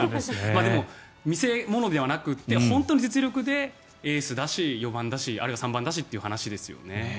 でも、見世物ではなくて本当に実力でエースだし、４番だしあるいは３番だしという話ですよね。